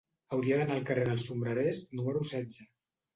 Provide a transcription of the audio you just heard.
Hauria d'anar al carrer dels Sombrerers número setze.